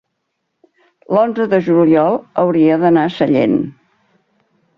l'onze de juliol hauria d'anar a Sallent.